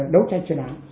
đấu tranh truyền án